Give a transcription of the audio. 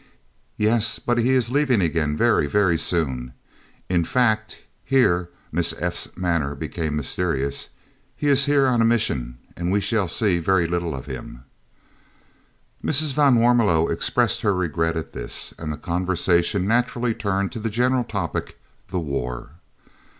"Yes, but he is leaving again very, very soon. In fact" here Miss F.'s manner became mysterious "he is here on a mission and we shall see very little of him." Mrs. van Warmelo expressed her regret at this, and the conversation naturally turned to the general topic, the war.